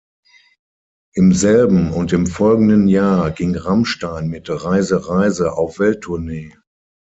Im selben und im folgenden Jahr ging Rammstein mit "Reise, Reise" auf Welttournee.